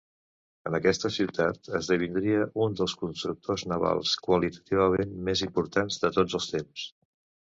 En aquesta ciutat esdevindria un dels constructors navals qualitativament més importants de tots els temps.